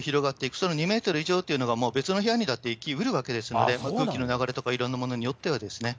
その２メートル以上というのがもう別の部屋にだって行きうるわけですので、空気の流れとかいろんなものによってはですね。